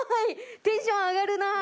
テンション上がるなー。